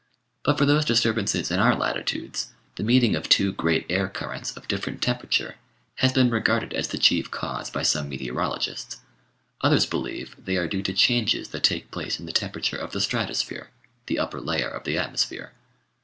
But for those dis turbances in our latitudes, the meeting of two great air currents of different temperature has been regarded as the chief cause by some meteorologists; others believe they are due to changes that take place in the temperature of the stratosphere the upper layer of the atmosphere.